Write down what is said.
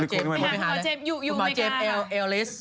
คุณหมอเจฟเออริส